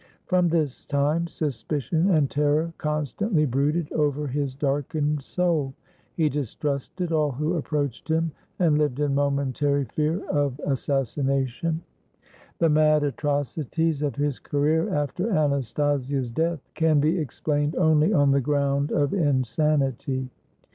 From this time, suspicion and terror con stantly brooded over his darkened soul: he distrusted all who approached him, and lived in momentary fear of assassination. The mad atrocities of his career after Anastasia's death can be explained only on the ground of insanity.